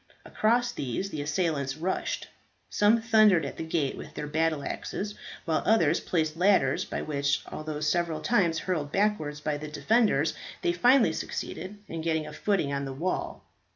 Across these the assailants rushed. Some thundered at the gate with their battle axes, while others placed ladders by which, although several times hurled backwards by the defenders, they finally succeeded in getting a footing on the wall.